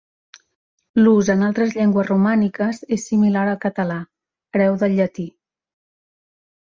L'ús en altres llengües romàniques és similar al català, hereu del llatí.